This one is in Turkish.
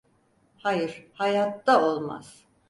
Hayır, hayatta olmaz.